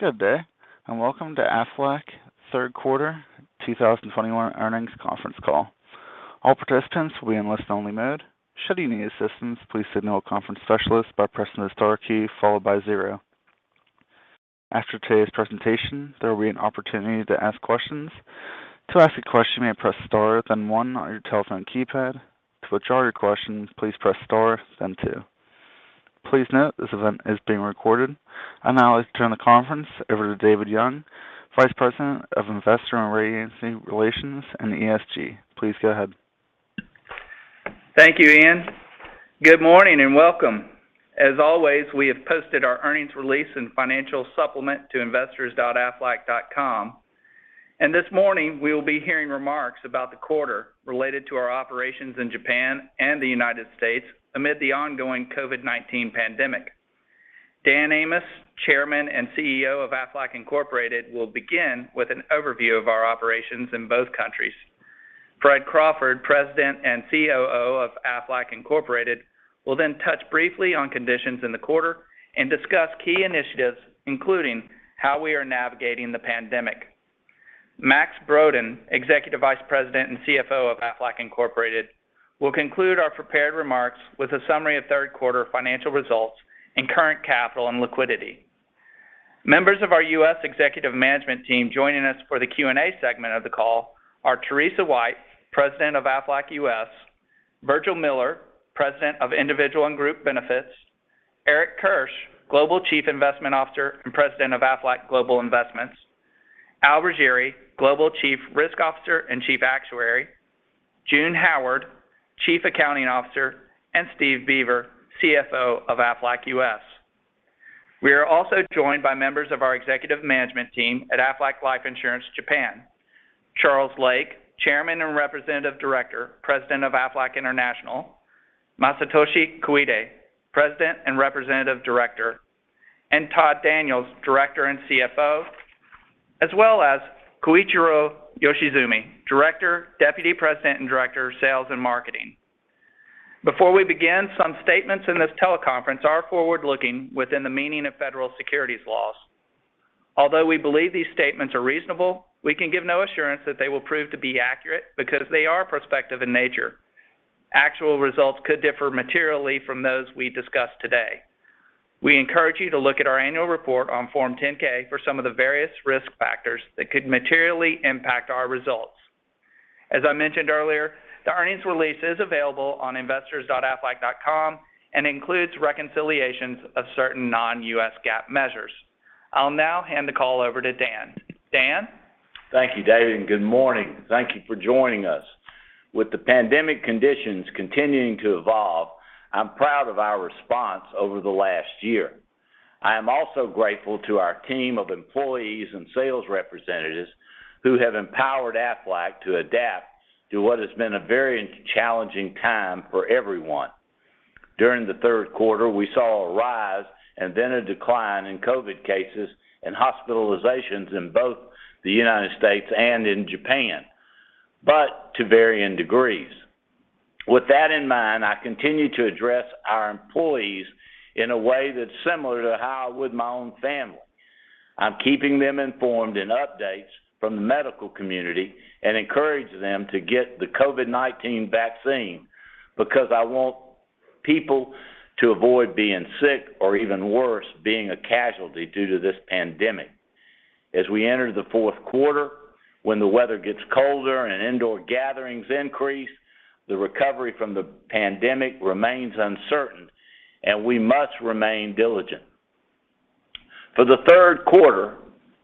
Good day, and welcome to Aflac third quarter 2021 earnings conference call. All participants will be in listen-only mode. Should you need assistance, please signal a conference specialist by pressing the star key followed by zero. After today's presentation, there will be an opportunity to ask questions. To ask a question, you may press star, then one on your telephone keypad. To withdraw your question, please press star, then two. Please note this event is being recorded. I'd now like to turn the conference over to David Young, Vice President of Investor and Rating Agency Relations and ESG. Please go ahead. Thank you, Ian. Good morning and welcome. As always, we have posted our earnings release and financial supplement to investors.aflac.com. This morning we will be hearing remarks about the quarter related to our operations in Japan and the United States amid the ongoing COVID-19 pandemic. Dan Amos, Chairman and CEO of Aflac Incorporated, will begin with an overview of our operations in both countries. Fred Crawford, President and COO of Aflac Incorporated, will then touch briefly on conditions in the quarter and discuss key initiatives, including how we are navigating the pandemic. Max Brodén, Executive Vice President and CFO of Aflac Incorporated, will conclude our prepared remarks with a summary of third quarter financial results and current capital and liquidity. Members of our U.S. executive management team joining us for the Q&A segment of the call are Teresa White, President of Aflac U.S., Virgil Miller, President of Individual and Group Benefits, Eric Kirsch, Global Chief Investment Officer and President of Aflac Global Investments, Al Riggieri, Global Chief Risk Officer and Chief Actuary, June Howard, Chief Accounting Officer, and Steve Beaver, CFO of Aflac U.S. We are also joined by members of our executive management team at Aflac Life Insurance Japan, Charles Lake, Chairman and Representative Director, President of Aflac International, Masatoshi Koide, President and Representative Director, and Todd Daniels, Director and CFO, as well as Koichiro Yoshizumi, Director, Deputy President and Director of Sales and Marketing. Before we begin, some statements in this teleconference are forward-looking within the meaning of federal securities laws. Although we believe these statements are reasonable, we can give no assurance that they will prove to be accurate because they are prospective in nature. Actual results could differ materially from those we discuss today. We encourage you to look at our annual report on Form 10-K for some of the various risk factors that could materially impact our results. As I mentioned earlier, the earnings release is available on investors.aflac.com and includes reconciliations of certain non-US GAAP measures. I'll now hand the call over to Dan. Dan? Thank you, David, and good morning. Thank you for joining us. With the pandemic conditions continuing to evolve, I'm proud of our response over the last year. I am also grateful to our team of employees and sales representatives who have empowered Aflac to adapt to what has been a very challenging time for everyone. During the third quarter, we saw a rise and then a decline in COVID cases and hospitalizations in both the United States and in Japan, but to varying degrees. With that in mind, I continue to address our employees in a way that's similar to how I would address my own family. I'm keeping them informed with updates from the medical community and encourage them to get the COVID-19 vaccine because I want people to avoid being sick or even worse, being a casualty due to this pandemic. As we enter the fourth quarter, when the weather gets colder and indoor gatherings increase, the recovery from the pandemic remains uncertain, and we must remain diligent. For the third quarter,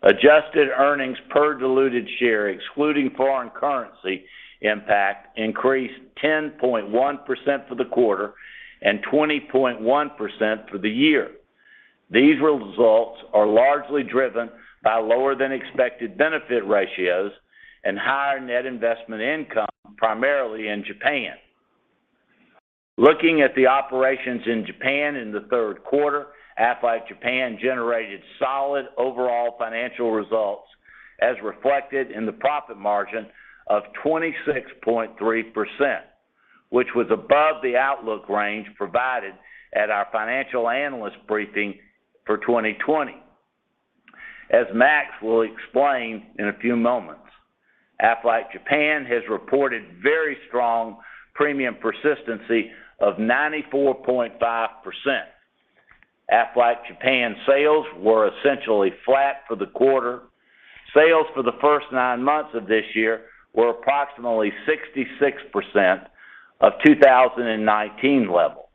adjusted earnings per diluted share, excluding foreign currency impact, increased 10.1% for the quarter and 20.1% for the year. These results are largely driven by lower than expected benefit ratios and higher net investment income, primarily in Japan. Looking at the operations in Japan in the third quarter, Aflac Japan generated solid overall financial results as reflected in the profit margin of 26.3%, which was above the outlook range provided at our financial analyst briefing for 2020. As Max will explain in a few moments, Aflac Japan has reported very strong premium persistency of 94.5%. Aflac Japan sales were essentially flat for the quarter. Sales for the first nine months of this year were approximately 66% of 2019 level.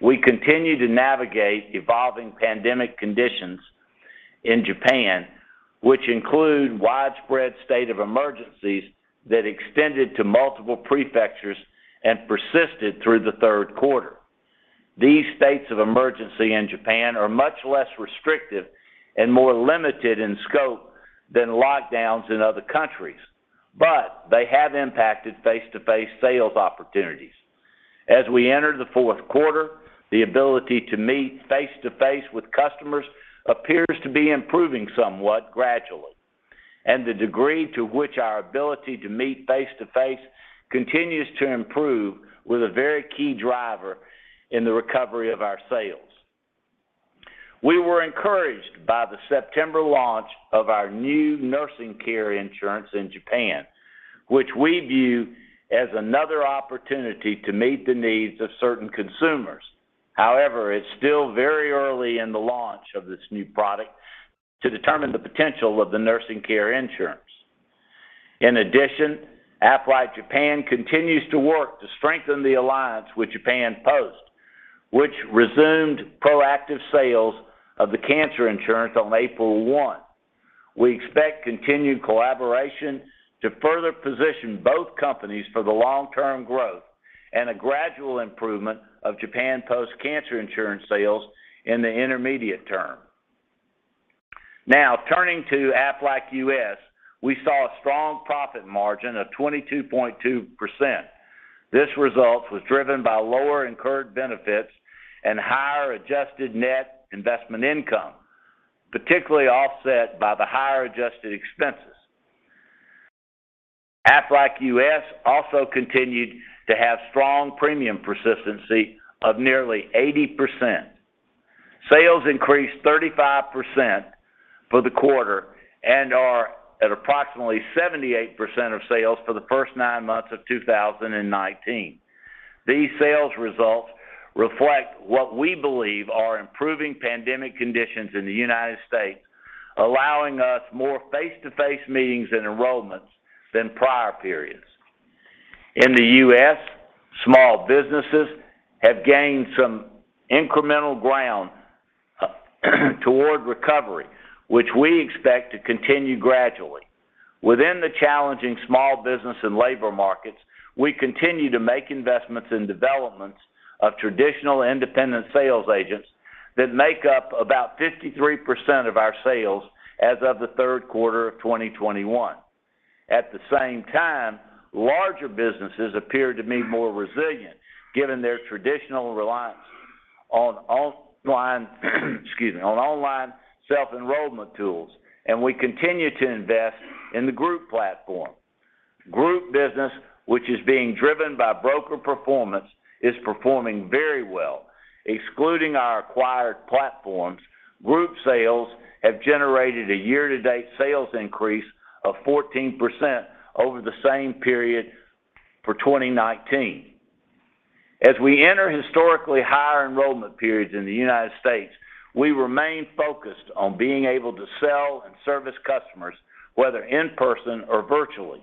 We continue to navigate evolving pandemic conditions in Japan, which include widespread state of emergencies that extended to multiple prefectures and persisted through the third quarter. These states of emergency in Japan are much less restrictive and more limited in scope than lockdowns in other countries, but they have impacted face-to-face sales opportunities. As we enter the fourth quarter, the ability to meet face-to-face with customers appears to be improving somewhat gradually, and the degree to which our ability to meet face-to-face continues to improve was a very key driver in the recovery of our sales. We were encouraged by the September launch of our new nursing care insurance in Japan, which we view as another opportunity to meet the needs of certain consumers. However, it's still very early in the launch of this new product to determine the potential of the nursing care insurance. In addition, Aflac Japan continues to work to strengthen the alliance with Japan Post, which resumed proactive sales of the cancer insurance on April 1. We expect continued collaboration to further position both companies for the long-term growth and a gradual improvement of Japan Post cancer insurance sales in the intermediate term. Now, turning to Aflac U.S., we saw a strong profit margin of 22.2%. This result was driven by lower incurred benefits and higher adjusted net investment income. Particularly offset by the higher adjusted expenses. Aflac U.S. also continued to have strong premium persistency of nearly 80%. Sales increased 35% for the quarter and are at approximately 78% of sales for the first nine months of 2019. These sales results reflect what we believe are improving pandemic conditions in the United States, allowing us more face-to-face meetings and enrollments than prior periods. In the U.S., small businesses have gained some incremental ground, toward recovery, which we expect to continue gradually. Within the challenging small business and labor markets, we continue to make investments in developments of traditional independent sales agents that make up about 53% of our sales as of the third quarter of 2021. At the same time, larger businesses appear to be more resilient given their traditional reliance on online, excuse me, on online self-enrollment tools, and we continue to invest in the group platform. Group business, which is being driven by broker performance, is performing very well. Excluding our acquired platforms, group sales have generated a year-to-date sales increase of 14% over the same period for 2019. As we enter historically higher enrollment periods in the United States, we remain focused on being able to sell and service customers, whether in person or virtually.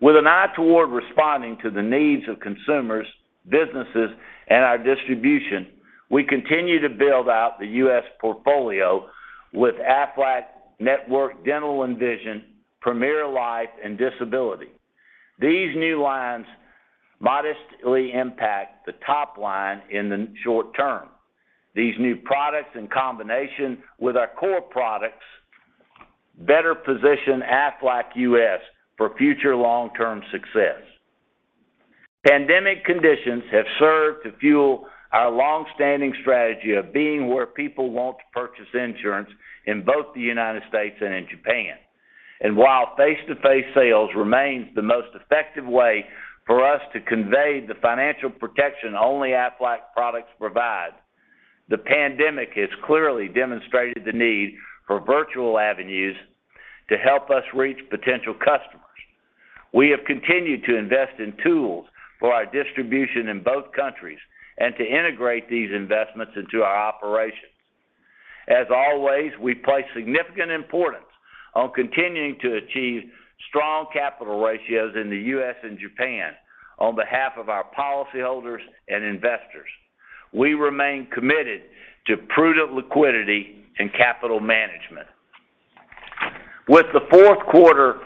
With an eye toward responding to the needs of consumers, businesses, and our distribution, we continue to build out the U.S. portfolio with Aflac Network Dental and Vision, Premier Life and Disability. These new lines modestly impact the top line in the short term. These new products, in combination with our core products, better position Aflac U.S. for future long-term success. Pandemic conditions have served to fuel our long-standing strategy of being where people want to purchase insurance in both the United States and in Japan. While face-to-face sales remains the most effective way for us to convey the financial protection only Aflac products provide, the pandemic has clearly demonstrated the need for virtual avenues to help us reach potential customers. We have continued to invest in tools for our distribution in both countries and to integrate these investments into our operations. As always, we place significant importance on continuing to achieve strong capital ratios in the U.S. and Japan on behalf of our policyholders and investors. We remain committed to prudent liquidity and capital management. With the fourth quarter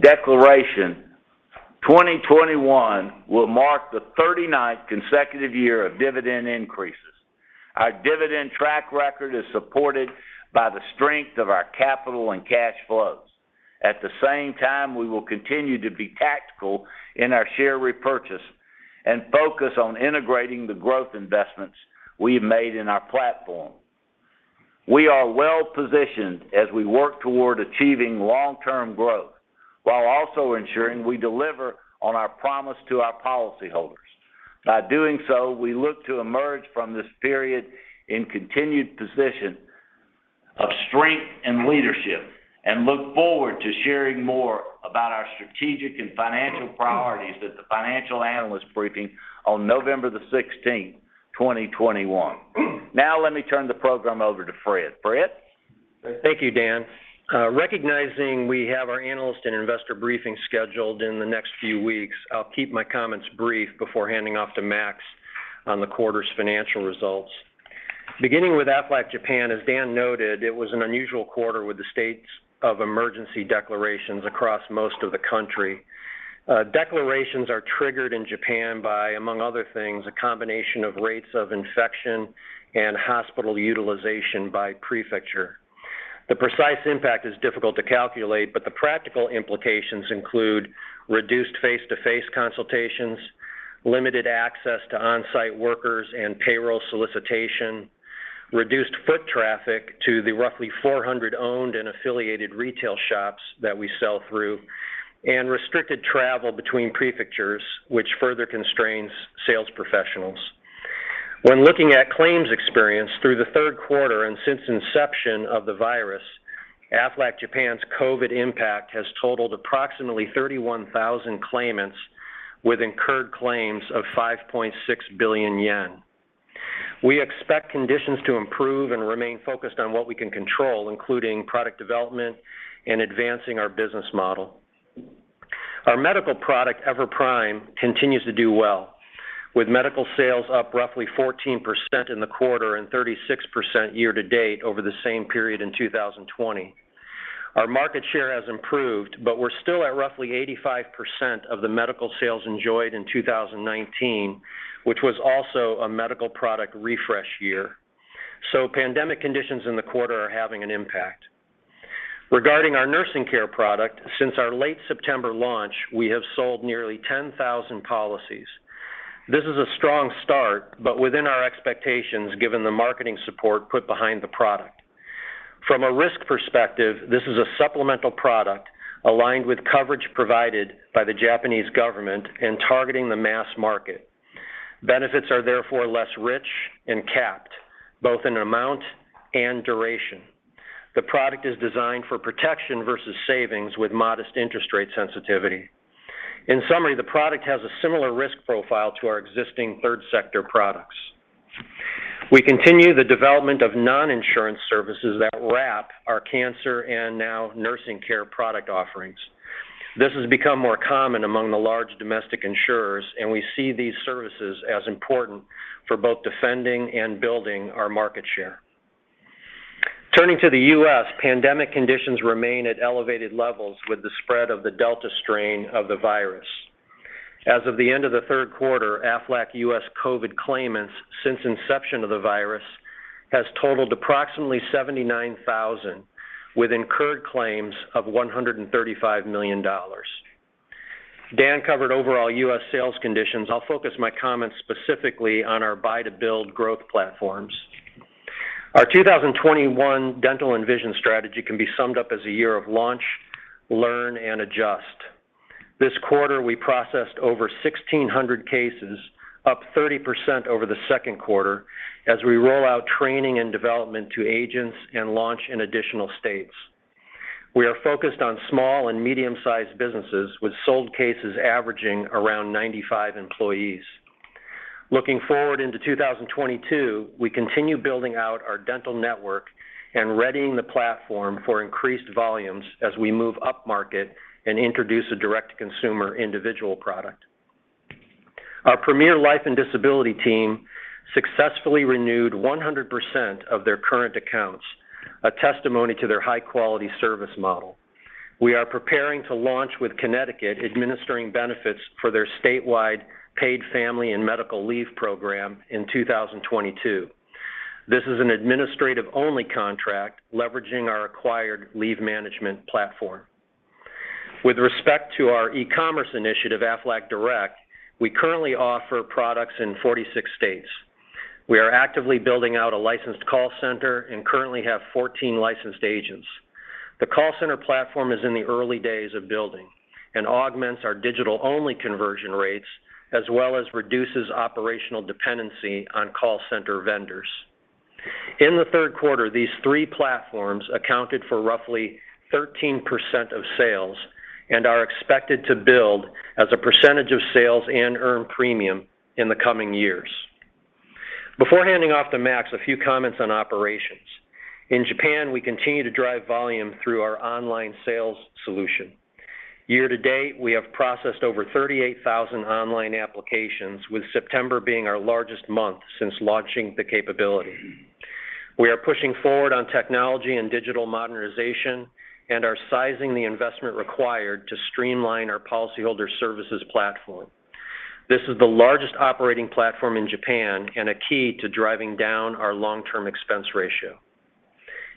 declaration, 2021 will mark the 39th consecutive year of dividend increases. Our dividend track record is supported by the strength of our capital and cash flows. At the same time, we will continue to be tactical in our share repurchase and focus on integrating the growth investments we have made in our platform. We are well positioned as we work toward achieving long-term growth while also ensuring we deliver on our promise to our policyholders. By doing so, we look to emerge from this period in continued position of strength and leadership and look forward to sharing more about our strategic and financial priorities at the financial analyst briefing on November 16, 2021. Now let me turn the program over to Fred. Fred? Thank you, Dan. Recognizing we have our analyst and investor briefing scheduled in the next few weeks, I'll keep my comments brief before handing off to Max on the quarter's financial results. Beginning with Aflac Japan, as Dan noted, it was an unusual quarter with the states of emergency declarations across most of the country. Declarations are triggered in Japan by, among other things, a combination of rates of infection and hospital utilization by prefecture. The precise impact is difficult to calculate, but the practical implications include reduced face-to-face consultations, limited access to on-site workers and payroll solicitation, reduced foot traffic to the roughly 400 owned and affiliated retail shops that we sell through, and restricted travel between prefectures, which further constrains sales professionals. When looking at claims experience through the third quarter and since inception of the virus, Aflac Japan's COVID impact has totaled approximately 31,000 claimants with incurred claims of 5.6 billion yen. We expect conditions to improve and remain focused on what we can control, including product development and advancing our business model. Our medical product, EVER Prime, continues to do well, with medical sales up roughly 14% in the quarter and 36% year to date over the same period in 2020. Our market share has improved, but we're still at roughly 85% of the medical sales enjoyed in 2019, which was also a medical product refresh year. Pandemic conditions in the quarter are having an impact. Regarding our nursing care product, since our late September launch, we have sold nearly 10,000 policies. This is a strong start, but within our expectations given the marketing support put behind the product. From a risk perspective, this is a supplemental product aligned with coverage provided by the Japanese government and targeting the mass market. Benefits are therefore less rich and capped, both in amount and duration. The product is designed for protection versus savings with modest interest rate sensitivity. In summary, the product has a similar risk profile to our existing third sector products. We continue the development of non-insurance services that wrap our cancer and now nursing care product offerings. This has become more common among the large domestic insurers, and we see these services as important for both defending and building our market share. Turning to the U.S., pandemic conditions remain at elevated levels with the spread of the Delta strain of the virus. As of the end of the third quarter, Aflac U.S. COVID claimants since inception of the virus has totaled approximately 79,000 with incurred claims of $135 million. Dan covered overall U.S. sales conditions. I'll focus my comments specifically on our buy-to-build growth platforms. Our 2021 dental and vision strategy can be summed up as a year of launch, learn, and adjust. This quarter, we processed over 1,600 cases, up 30% over the second quarter, as we roll out training and development to agents and launch in additional states. We are focused on small and medium-sized businesses with sold cases averaging around 95 employees. Looking forward into 2022, we continue building out our dental network and readying the platform for increased volumes as we move upmarket and introduce a direct-to-consumer individual product. Our Premier Life and Disability team successfully renewed 100% of their current accounts, a testimony to their high-quality service model. We are preparing to launch with Connecticut, administering benefits for their statewide paid family and medical leave program in 2022. This is an administrative-only contract leveraging our acquired leave management platform. With respect to our e-commerce initiative, Aflac Direct, we currently offer products in 46 states. We are actively building out a licensed call center and currently have 14 licensed agents. The call center platform is in the early days of building and augments our digital-only conversion rates as well as reduces operational dependency on call center vendors. In the third quarter, these three platforms accounted for roughly 13% of sales and are expected to build as a percentage of sales and earn premium in the coming years. Before handing off to Max, a few comments on operations. In Japan, we continue to drive volume through our online sales solution. Year to date, we have processed over 38,000 online applications, with September being our largest month since launching the capability. We are pushing forward on technology and digital modernization and are sizing the investment required to streamline our policyholder services platform. This is the largest operating platform in Japan and a key to driving down our long-term expense ratio.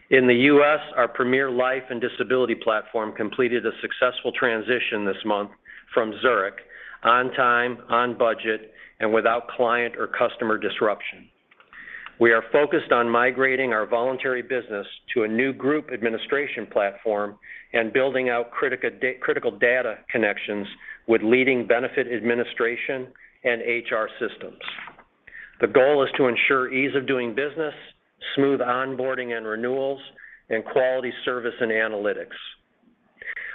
In the U.S., our Premier Life and Disability platform completed a successful transition this month from Zurich on time, on budget, and without client or customer disruption. We are focused on migrating our voluntary business to a new group administration platform and building out critical data connections with leading benefit administration and HR systems. The goal is to ensure ease of doing business, smooth onboarding and renewals, and quality service and analytics.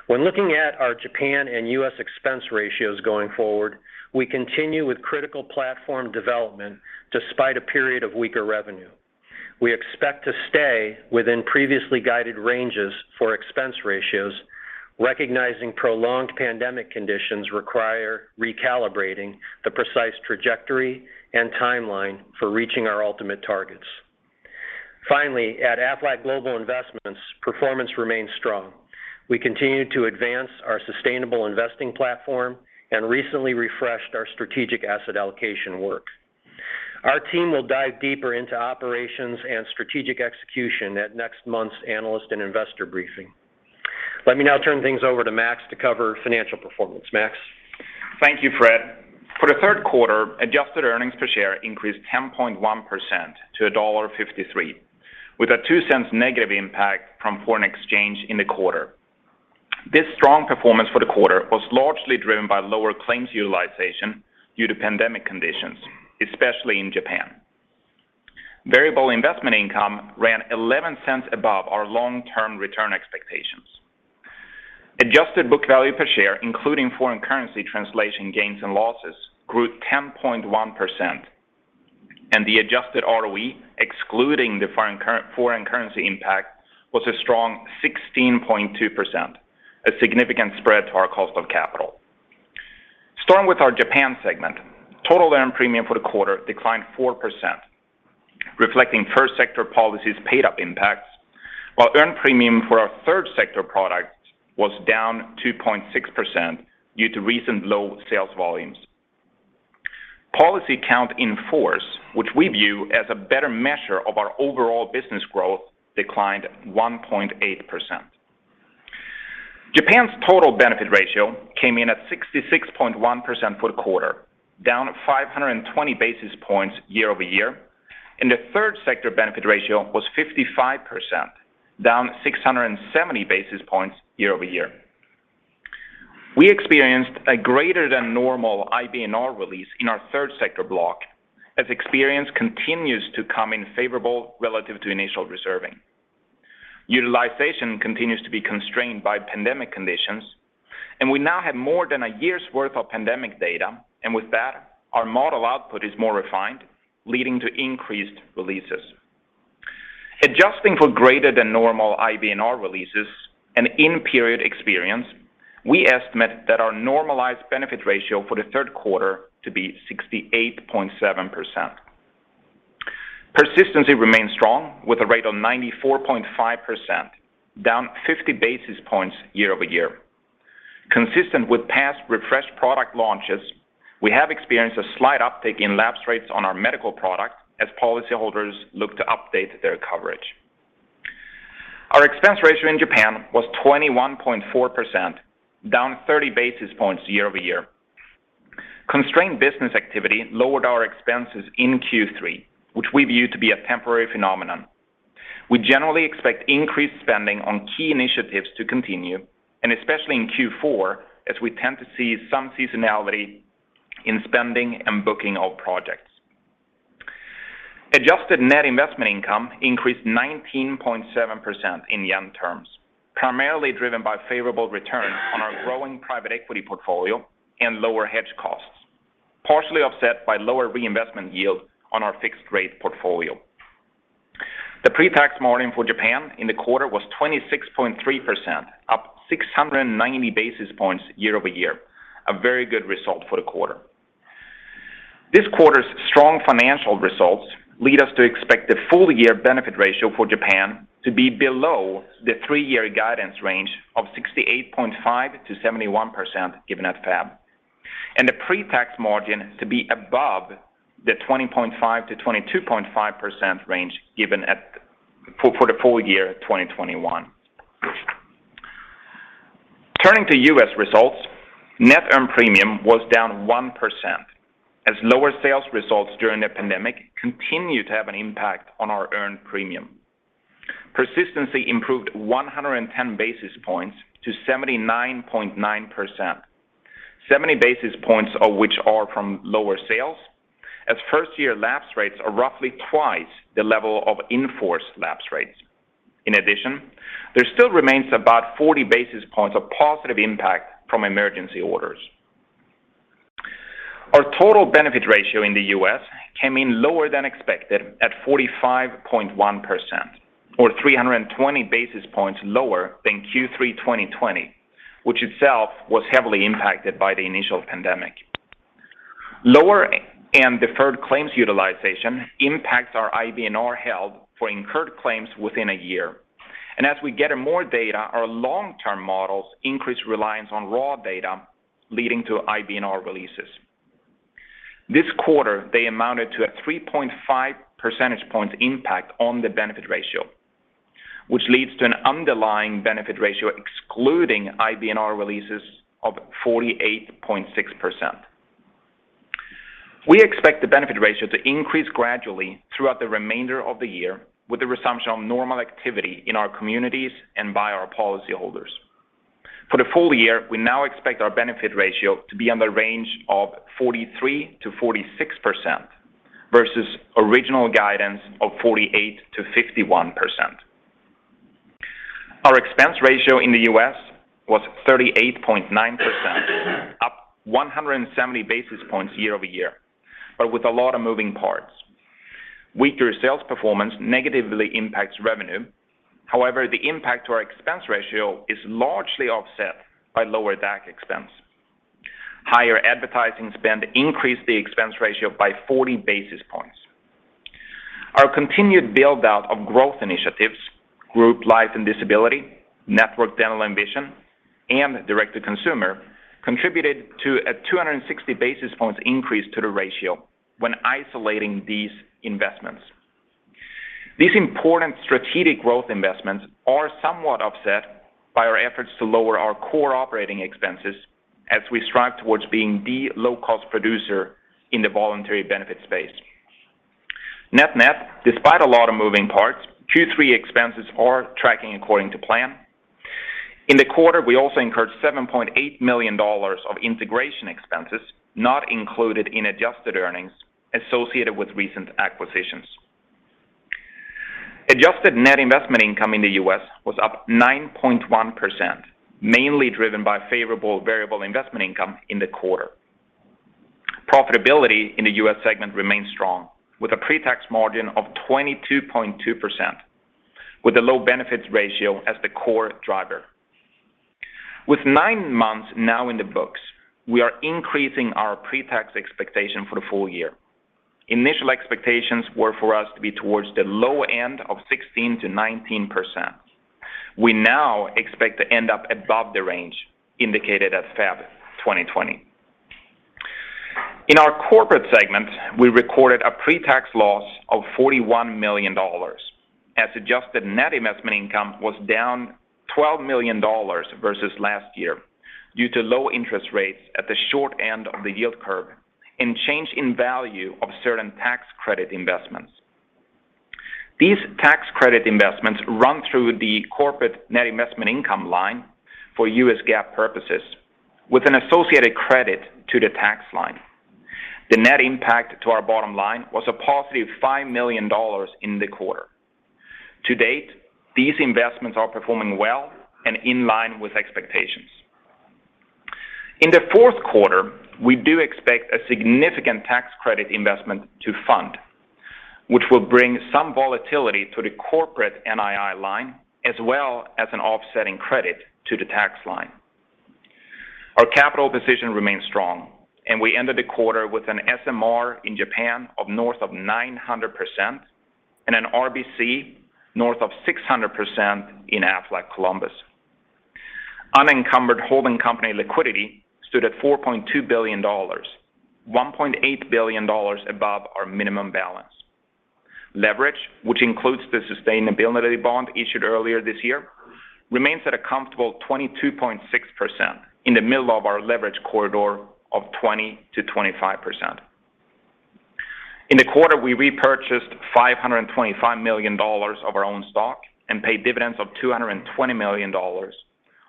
When looking at our Japan and U.S. expense ratios going forward, we continue with critical platform development despite a period of weaker revenue. We expect to stay within previously guided ranges for expense ratios, recognizing prolonged pandemic conditions require recalibrating the precise trajectory and timeline for reaching our ultimate targets. Finally, at Aflac Global Investments, performance remains strong. We continue to advance our sustainable investing platform and recently refreshed our strategic asset allocation work. Our team will dive deeper into operations and strategic execution at next month's analyst and investor briefing. Let me now turn things over to Max to cover financial performance. Max? Thank you, Fred. For the third quarter, adjusted earnings per share increased 10.1% to $1.53, with a $0.02 negative impact from foreign exchange in the quarter. This strong performance for the quarter was largely driven by lower claims utilization due to pandemic conditions, especially in Japan. Variable investment income ran $0.11 above our long-term return expectations. Adjusted book value per share, including foreign currency translation gains and losses, grew 10.1%, and the adjusted ROE, excluding the foreign currency impact, was a strong 16.2%, a significant spread to our cost of capital. Starting with our Japan segment, total earned premium for the quarter declined 4%, reflecting first sector policies paid up impacts, while earned premium for our third sector product was down 2.6% due to recent low sales volumes. Policy count in force, which we view as a better measure of our overall business growth, declined 1.8%. Japan's total benefit ratio came in at 66.1% for the quarter, down 520 basis points year-over-year, and the third sector benefit ratio was 55%, down 670 basis points year-over-year. We experienced a greater than normal IBNR release in our third sector block as experience continues to come in favorable relative to initial reserving. Utilization continues to be constrained by pandemic conditions, and we now have more than a year's worth of pandemic data, and with that, our model output is more refined, leading to increased releases. Adjusting for greater than normal IBNR releases and in-period experience, we estimate that our normalized benefit ratio for the third quarter to be 68.7%. Persistence remains strong with a rate of 94.5%, down 50 basis points year-over-year. Consistent with past refreshed product launches, we have experienced a slight uptick in lapse rates on our medical product as policyholders look to update their coverage. Our expense ratio in Japan was 21.4%, down 30 basis points year-over-year. Constrained business activity lowered our expenses in Q3, which we view to be a temporary phenomenon. We generally expect increased spending on key initiatives to continue, and especially in Q4, as we tend to see some seasonality in spending and booking of projects. Adjusted net investment income increased 19.7% in yen terms, primarily driven by favorable returns on our growing private equity portfolio and lower hedge costs, partially offset by lower reinvestment yield on our fixed-rate portfolio. The pre-tax margin for Japan in the quarter was 26.3%, up 690 basis points year-over-year, a very good result for the quarter. This quarter's strong financial results lead us to expect the full year benefit ratio for Japan to be below the three-year guidance range of 68.5%-71% given at FAB, and the pre-tax margin to be above the 20.5%-22.5% range given at for the full year 2021. Turning to U.S. results, net earned premium was down 1% as lower sales results during the pandemic continue to have an impact on our earned premium. Persistence improved 110 basis points to 79.9%. 70 basis points of which are from lower sales as first-year lapse rates are roughly twice the level of enforced lapse rates. In addition, there still remains about 40 basis points of positive impact from emergency orders. Our total benefit ratio in the U.S. came in lower than expected at 45.1% or 320 basis points lower than Q3 2020, which itself was heavily impacted by the initial pandemic. Lower and deferred claims utilization impacts our IBNR held for incurred claims within a year. As we gather more data, our long-term models increase reliance on raw data leading to IBNR releases. This quarter, they amounted to a 3.5 percentage points impact on the benefit ratio, which leads to an underlying benefit ratio excluding IBNR releases of 48.6%. We expect the benefit ratio to increase gradually throughout the remainder of the year with the resumption of normal activity in our communities and by our policyholders. For the full year, we now expect our benefit ratio to be in the range of 43%-46% versus original guidance of 48%-51%. Our expense ratio in the U.S. was 38.9%, up 170 basis points year-over-year, but with a lot of moving parts. Weaker sales performance negatively impacts revenue. However, the impact to our expense ratio is largely offset by lower DAC expense. Higher advertising spend increased the expense ratio by 40 basis points. Our continued build-out of growth initiatives, group life and disability, network dental and vision, and direct-to-consumer, contributed to a 260 basis points increase to the ratio when isolating these investments. These important strategic growth investments are somewhat offset by our efforts to lower our core operating expenses as we strive towards being the low-cost producer in the voluntary benefit space. Net-net, despite a lot of moving parts, Q3 expenses are tracking according to plan. In the quarter, we also incurred $7.8 million of integration expenses not included in adjusted earnings associated with recent acquisitions. Adjusted net investment income in the U.S. was up 9.1%, mainly driven by favorable variable investment income in the quarter. Profitability in the U.S. segment remains strong with a pre-tax margin of 22.2%, with the low benefits ratio as the core driver. With nine months now in the books, we are increasing our pre-tax expectation for the full year. Initial expectations were for us to be towards the low end of 16%-19%. We now expect to end up above the range indicated at FAB 2020. In our corporate segment, we recorded a pre-tax loss of $41 million as adjusted net investment income was down $12 million versus last year due to low interest rates at the short end of the yield curve and change in value of certain tax credit investments. These tax credit investments run through the corporate net investment income line for US GAAP purposes with an associated credit to the tax line. The net impact to our bottom line was a positive $5 million in the quarter. To date, these investments are performing well and in line with expectations. In the fourth quarter, we do expect a significant tax credit investment to fund which will bring some volatility to the corporate NII line as well as an offsetting credit to the tax line. Our capital position remains strong, and we ended the quarter with an SMR in Japan of north of 900% and an RBC north of 600% in Aflac Columbus. Unencumbered holding company liquidity stood at $4.2 billion, $1.8 billion above our minimum balance. Leverage, which includes the sustainability bond issued earlier this year, remains at a comfortable 22.6% in the middle of our leverage corridor of 20%-25%. In the quarter, we repurchased $525 million of our own stock and paid dividends of $220 million,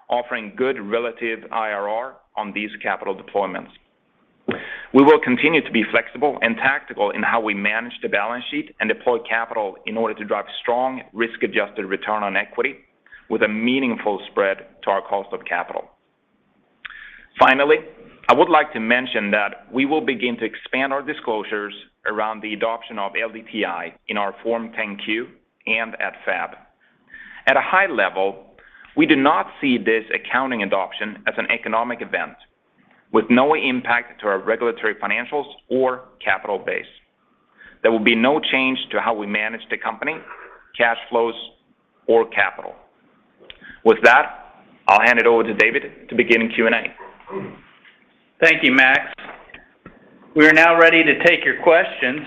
offering good relative IRR on these capital deployments. We will continue to be flexible and tactical in how we manage the balance sheet and deploy capital in order to drive strong risk-adjusted return on equity with a meaningful spread to our cost of capital. Finally, I would like to mention that we will begin to expand our disclosures around the adoption of LDTI in our Form 10-Q and at FAB. At a high level, we do not see this accounting adoption as an economic event, with no impact to our regulatory financials or capital base. There will be no change to how we manage the company, cash flows, or capital. With that, I'll hand it over to David to begin Q&A. Thank you, Max. We are now ready to take your questions,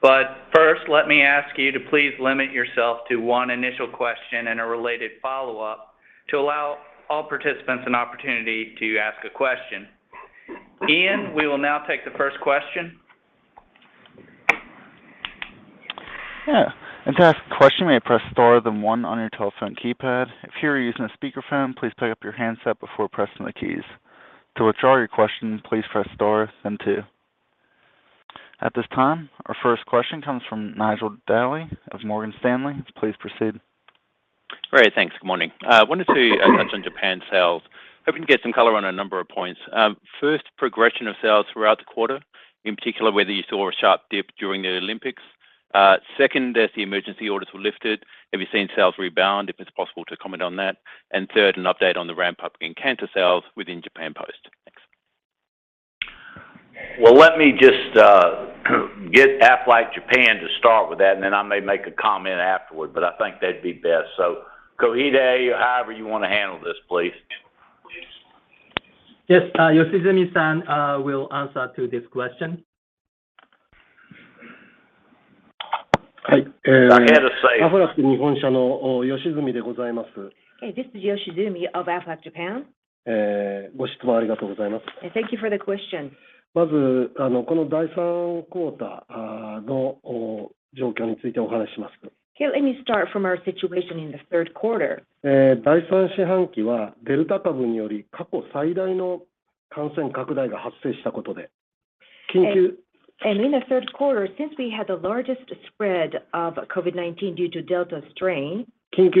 but first let me ask you to please limit yourself to one initial question and a related follow-up to allow all participants an opportunity to ask a question. Ian, we will now take the first question. To ask a question, you may press star then one on your telephone keypad. If you are using a speakerphone, please pick up your handset before pressing the keys. To withdraw your question, please press star then two. At this time, our first question comes from Nigel Dally of Morgan Stanley. Please proceed. Great. Thanks. Good morning. I wanted to touch on Japan sales, hoping to get some color on a number of points. First, progression of sales throughout the quarter, in particular, whether you saw a sharp dip during the Olympics. Second, as the emergency orders were lifted, have you seen sales rebound? If it's possible to comment on that. Third, an update on the ramp-up in cancer sales within Japan Post. Thanks. Well, let me just get Aflac Japan to start with that, and then I may make a comment afterward, but I think they'd be best. Koide or however you wanna handle this, please. Yes. Yoshizumi-san will answer to this question. I can't say. Hey, this is Koichiro Yoshizumi of Aflac Japan. Thank you for the question. Okay, let me start from our situation in the third quarter. In the third quarter, since we had the largest spread of COVID-19 due to Delta strain. As a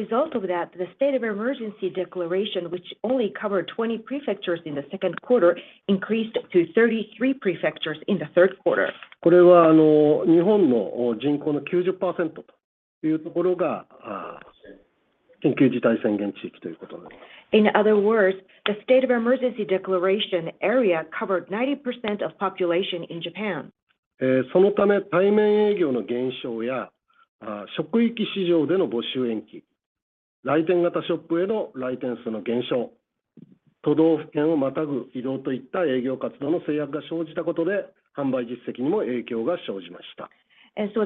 result of that, the state of emergency declaration, which only covered 20 prefectures in the second quarter, increased to 33 prefectures in the third quarter. In other words, the state of emergency declaration area covered 90% of population in Japan.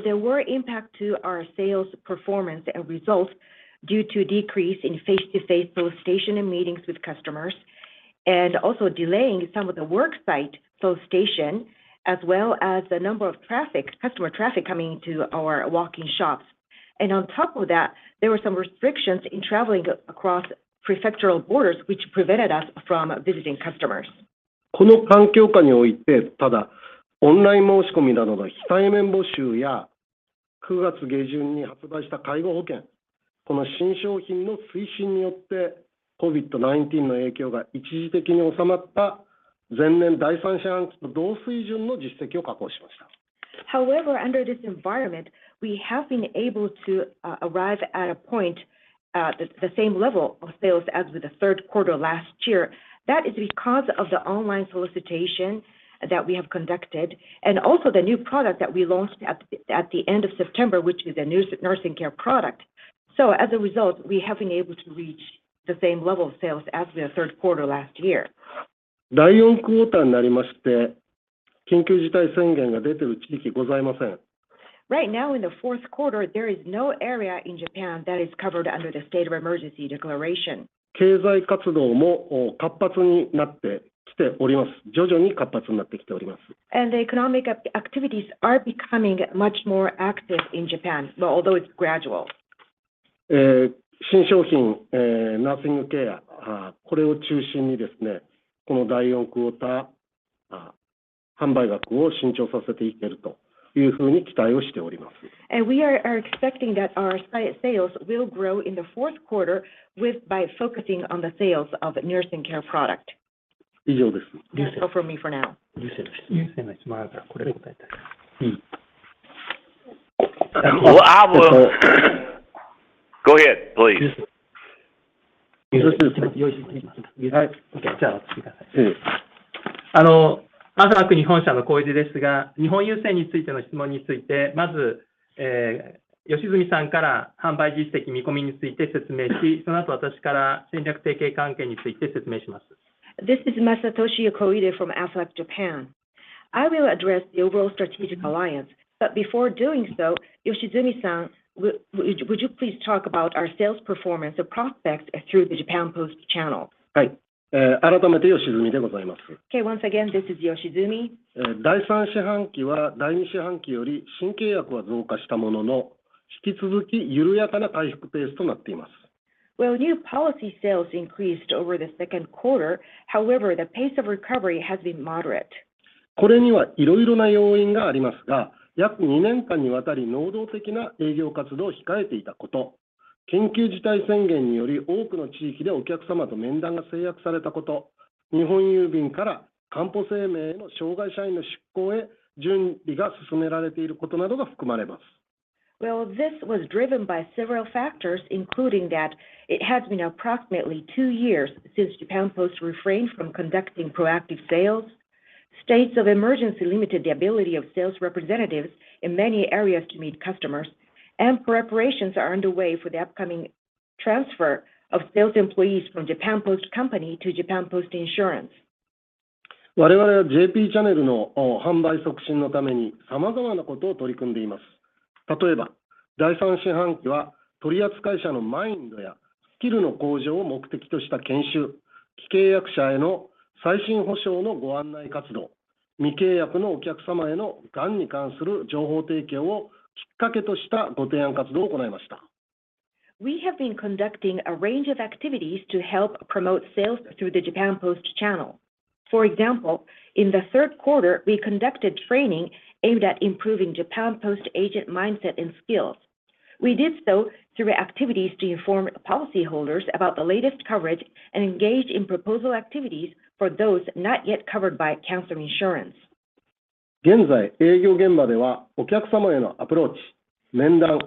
There were impact to our sales performance and results due to decrease in face-to-face booth stations and meetings with customers and also delaying some of the worksite flow stations as well as the number of customer traffic coming to our walk-in shops. On top of that, there were some restrictions in traveling across prefectural borders which prevented us from visiting customers. However, under this environment, we have been able to arrive at a point, the same level of sales as with the third quarter last year. That is because of the online solicitation that we have conducted and also the new product that we launched at the end of September, which is a nursing care product. As a result, we have been able to reach the same level of sales as the third quarter last year. Right now in the fourth quarter, there is no area in Japan that is covered under the state of emergency declaration. The economic activities are becoming much more active in Japan, but although it's gradual. We are expecting that our sales will grow in the fourth quarter by focusing on the sales of nursing care product. That's all from me for now. Go ahead, please. This is Masatoshi Koide from Aflac Japan. I will address the overall strategic alliance. Before doing so, Yoshizumi-san, would you please talk about our sales performance or prospects through the Japan Post channel? Okay, once again, this is Yoshizumi. Well, new policy sales increased over the second quarter, however, the pace of recovery has been moderate. Well, this was driven by several factors, including that it has been approximately two years since Japan Post refrained from conducting proactive sales. States of emergency limited the ability of sales representatives in many areas to meet customers, and preparations are underway for the upcoming transfer of sales employees from Japan Post Co., Ltd. to Japan Post Insurance. We have been conducting a range of activities to help promote sales through the Japan Post channel. For example, in the third quarter, we conducted training aimed at improving Japan Post agent mindset and skills. We did so through activities to inform policy holders about the latest coverage and engaged in proposal activities for those not yet covered by cancer insurance. We are currently promoting cancer insurance sales by managing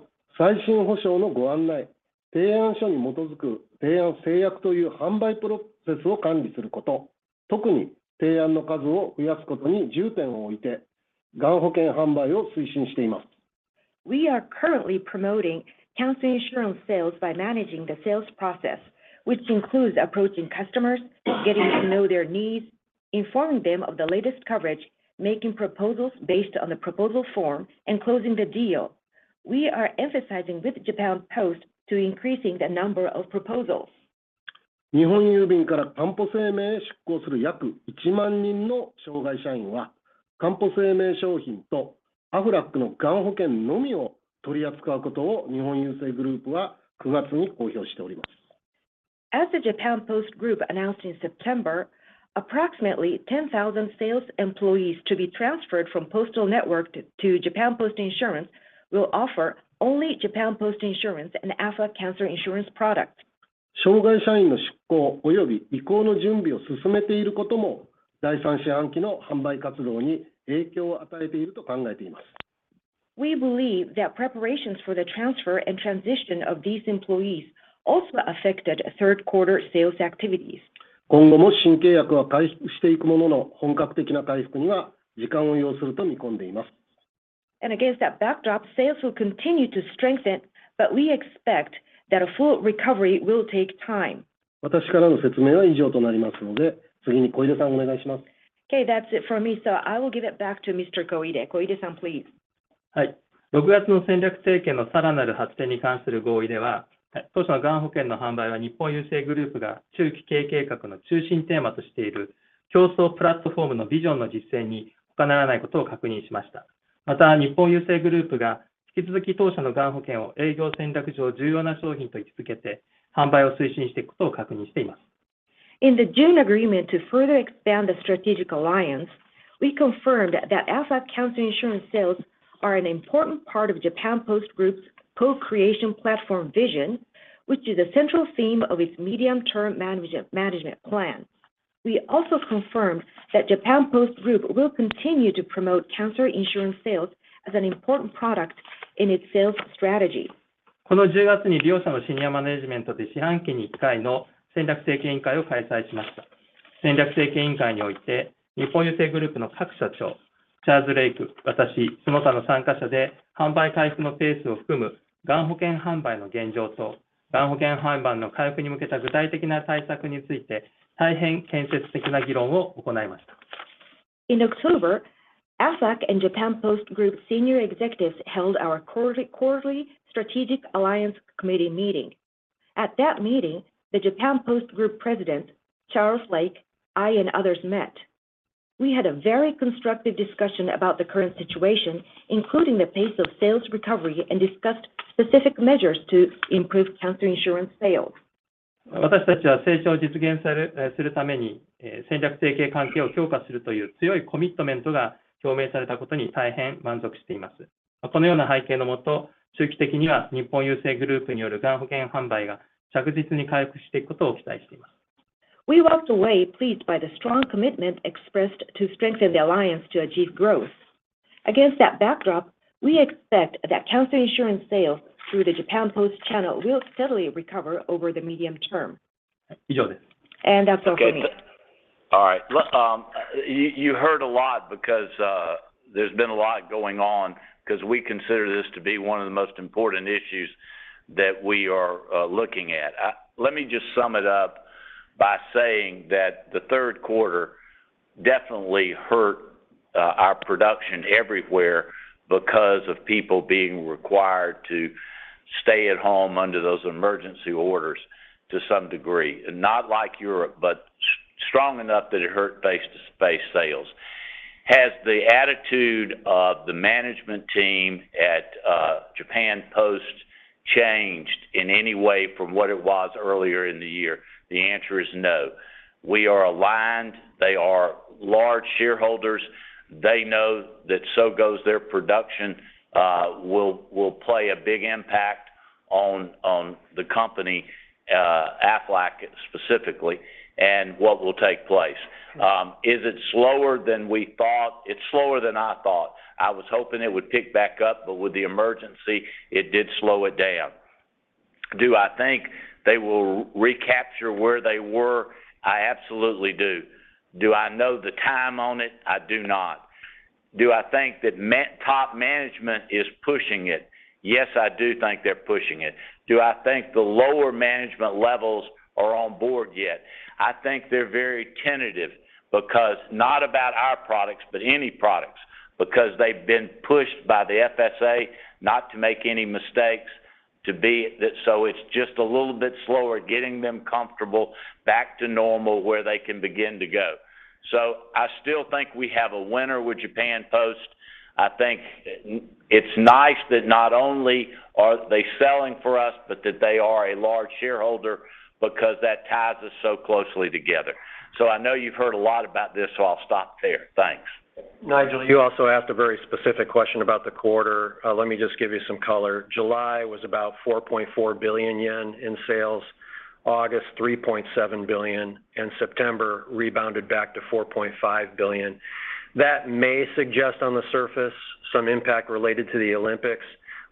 the sales process, which includes approaching customers, getting to know their needs, informing them of the latest coverage, making proposals based on the proposal form, and closing the deal. We are emphasizing with Japan Post to increasing the number of proposals. As the Japan Post Group announced in September, approximately 10,000 sales employees to be transferred from postal network to Japan Post Insurance will offer only Japan Post Insurance and Aflac cancer insurance product. We believe that preparations for the transfer and transition of these employees also affected third quarter sales activities. Against that backdrop, sales will continue to strengthen, but we expect that a full recovery will take time. Okay, that's it from me, so I will give it back to Mr. Koide. Koide-san, please. In the June agreement to further expand the strategic alliance, we confirmed that Aflac cancer insurance sales are an important part of Japan Post Group's co-creation platform vision, which is a central theme of its medium-term management plan. We also confirmed that Japan Post Group will continue to promote cancer insurance sales as an important product in its sales strategy. In October, Aflac and Japan Post Group senior executives held our quarterly Strategic Alliance Committee meeting. At that meeting, the Japan Post Group President, Charles Lake, I, and others met. We had a very constructive discussion about the current situation, including the pace of sales recovery, and discussed specific measures to improve cancer insurance sales. We walked away pleased by the strong commitment expressed to strengthen the alliance to achieve growth. Against that backdrop, we expect that cancer insurance sales through the Japan Post channel will steadily recover over the medium term. That's all for me. Okay. All right. You heard a lot because there's been a lot going on because we consider this to be one of the most important issues that we are looking at. Let me just sum it up by saying that the third quarter definitely hurt our production everywhere because of people being required to stay at home under those emergency orders to some degree, and not like Europe, but strong enough that it hurt face-to-face sales. Has the attitude of the management team at Japan Post changed in any way from what it was earlier in the year? The answer is no. We are aligned. They are large shareholders. They know that so goes their production will play a big impact on the company Aflac specifically, and what will take place. Is it slower than we thought? It's slower than I thought. I was hoping it would pick back up, but with the emergency, it did slow it down. Do I think they will recapture where they were? I absolutely do. Do I know the time on it? I do not. Do I think that top management is pushing it? Yes, I do think they're pushing it. Do I think the lower management levels are on board yet? I think they're very tentative because not about our products, but any products, because they've been pushed by the FSA not to make any mistakes, to be that so it's just a little bit slower getting them comfortable back to normal, where they can begin to go. I still think we have a winner with Japan Post. I think it's nice that not only are they selling for us, but that they are a large shareholder because that ties us so closely together. I know you've heard a lot about this, so I'll stop there. Thanks. Nigel, you also asked a very specific question about the quarter. Let me just give you some color. July was about 4.4 billion yen in sales. August, 3.7 billion, and September rebounded back to 4.5 billion. That may suggest on the surface some impact related to the Olympics,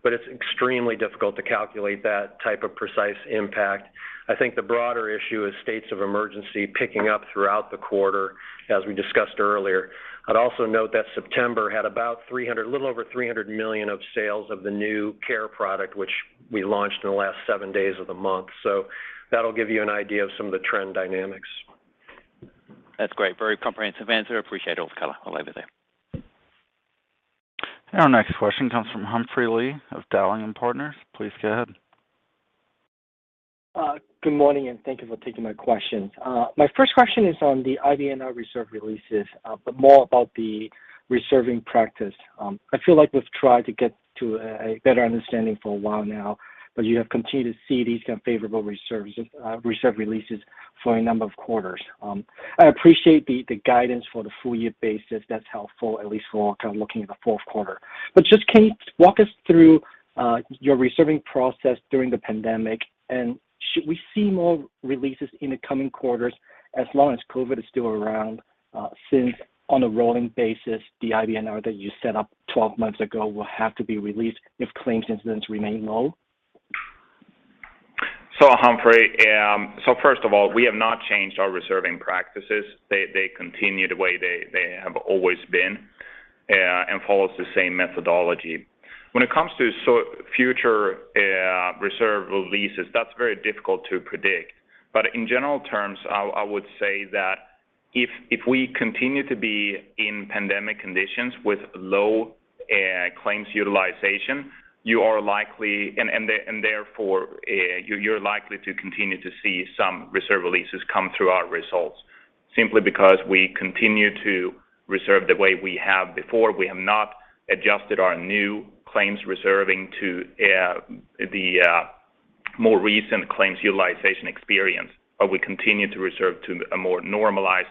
but it's extremely difficult to calculate that type of precise impact. I think the broader issue is states of emergency picking up throughout the quarter, as we discussed earlier. I'd also note that September had about 300, a little over 300 million of sales of the new care product, which we launched in the last seven days of the month. That'll give you an idea of some of the trend dynamics. That's great. Very comprehensive answer. Appreciate all the color. I'll leave it there. Our next question comes from Humphrey Lee of Dowling & Partners. Please go ahead. Good morning, thank you for taking my questions. My first question is on the IBNR reserve releases, but more about the reserving practice. I feel like we've tried to get to a better understanding for a while now, but you have continued to see these unfavorable reserves, reserve releases for a number of quarters. I appreciate the guidance for the full year basis. That's helpful, at least for kind of looking at the fourth quarter. Just can you walk us through your reserving process during the pandemic, and should we see more releases in the coming quarters as long as COVID is still around, since on a rolling basis, the IBNR that you set up 12 months ago will have to be released if claims incidents remain low? Humphrey, first of all, we have not changed our reserving practices. They continue the way they have always been and follow the same methodology. When it comes to future reserve releases, that's very difficult to predict. In general terms, I would say that if we continue to be in pandemic conditions with low claims utilization, you are likely, and therefore, you're likely to continue to see some reserve releases come through our results simply because we continue to reserve the way we have before. We have not adjusted our new claims reserving to the more recent claims utilization experience, but we continue to reserve to a more normalized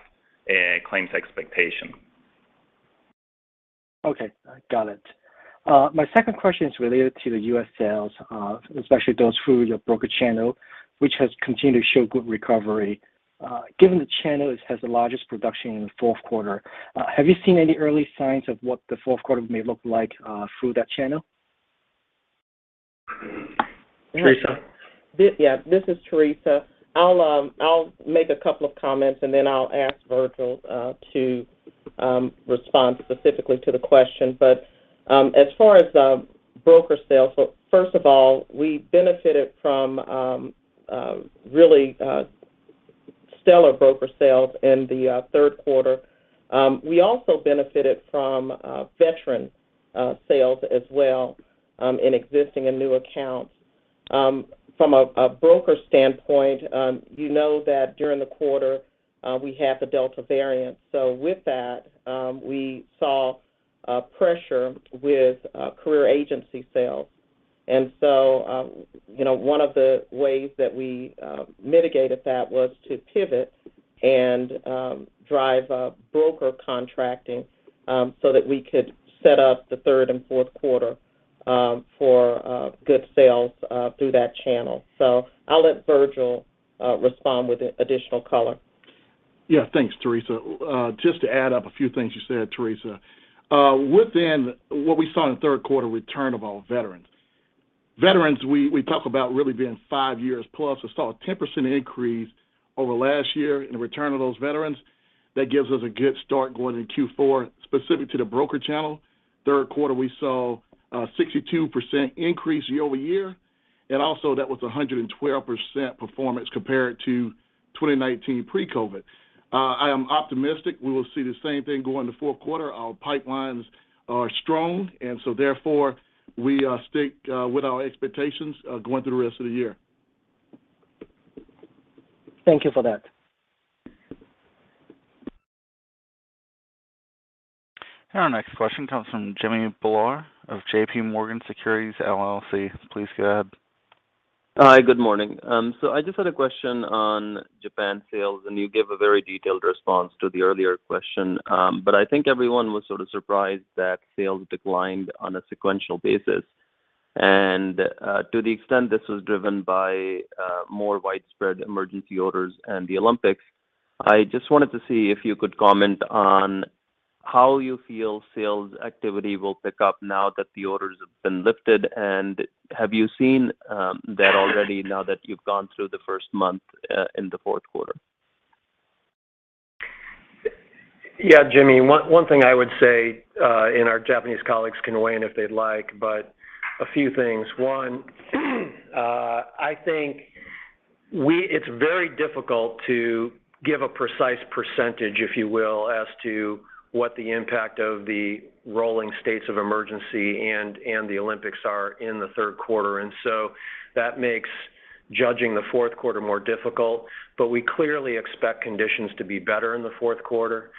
claims expectation. Okay, got it. My second question is related to the U.S. sales, especially those through your broker channel, which has continued to show good recovery. Given the channel has the largest production in the fourth quarter, have you seen any early signs of what the fourth quarter may look like through that channel? Teresa? Yeah, this is Teresa. I'll make a couple of comments, and then I'll ask Virgil to respond specifically to the question. As far as broker sales, so first of all, we benefited from really stellar broker sales in the third quarter. We also benefited from voluntary sales as well in existing and new accounts. From a broker standpoint, you know that during the quarter, we had the Delta variant, so with that, we saw pressure with career agency sales. You know, one of the ways that we mitigated that was to pivot and drive broker contracting so that we could set up the third and fourth quarter for good sales through that channel. I'll let Virgil respond with additional color. Yeah. Thanks, Teresa. Just to add a few things you said, Teresa. Within what we saw in the third quarter return of our veterans. Veterans, we talk about really being five years plus. We saw a 10% increase over last year in return of those veterans. That gives us a good start going into Q4 specific to the broker channel. Third quarter, we saw a 62% increase year-over-year, and also that was a 112% performance compared to 2019 pre-COVID. I am optimistic we will see the same thing go in the fourth quarter. Our pipelines are strong, and so therefore, we stick with our expectations going through the rest of the year. Thank you for that. Our next question comes from Jimmy Bhullar of JPMorgan Securities LLC. Please go ahead. Hi, good morning. I just had a question on Japan sales, and you gave a very detailed response to the earlier question. I think everyone was sort of surprised that sales declined on a sequential basis. To the extent this was driven by more widespread emergency orders and the Olympics, I just wanted to see if you could comment on how you feel sales activity will pick up now that the orders have been lifted. Have you seen that already now that you've gone through the first month in the fourth quarter? Yeah, Jimmy. One thing I would say, and our Japanese colleagues can weigh in if they'd like, but a few things. One, I think it's very difficult to give a precise percentage, if you will, as to what the impact of the rolling states of emergency and the Olympics are in the third quarter. That makes judging the fourth quarter more difficult. We clearly expect conditions to be better in the fourth quarter.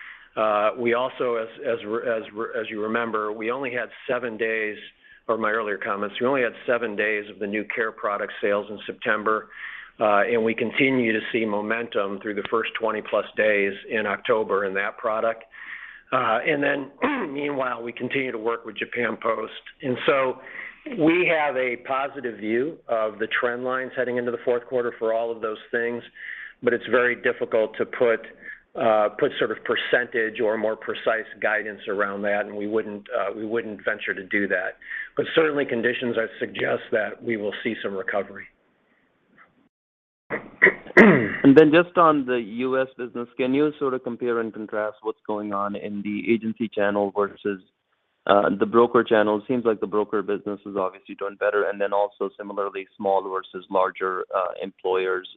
We also, as you remember from my earlier comments, only had seven days of the new care product sales in September. We continue to see momentum through the first 20-plus days in October in that product. Meanwhile, we continue to work with Japan Post. We have a positive view of the trend lines heading into the fourth quarter for all of those things, but it's very difficult to put sort of percentage or more precise guidance around that, and we wouldn't venture to do that. Certainly conditions, I suggest that we will see some recovery. Just on the U.S. business, can you sort of compare and contrast what's going on in the agency channel versus the broker channel? It seems like the broker business is obviously doing better. Also similarly small versus larger employers,